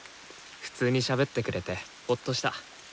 普通にしゃべってくれてほっとした。